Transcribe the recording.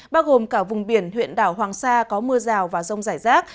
bao gồm cả vùng biển huyện đảo hoàng sa có mưa rào và rông rải rác